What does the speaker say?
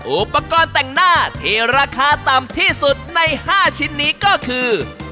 อุปกรณ์แต่งหน้าที่ราคาต่ำที่สุดใน๕ชิ้นนี้ก็คือ